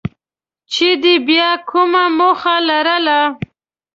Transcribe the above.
چې ده بیا کومه موخه لرله.